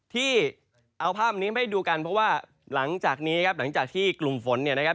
ที่เอาภาพนี้มาให้ดูกันเพราะว่าหลังจากนี้ครับหลังจากที่กลุ่มฝนเนี่ยนะครับ